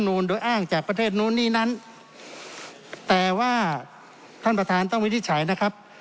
นูลโดยอ้างจากประเทศนู้นนี่นั้นแต่ว่าท่านประธานต้องวินิจฉัยนะครับ